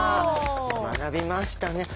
学びましたね。